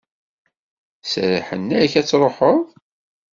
Serrḥen-ak ad truḥeḍ?